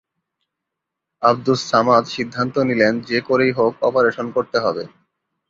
আবদুস সামাদ সিদ্ধান্ত নিলেন, যে করেই হোক অপারেশন করতে হবে।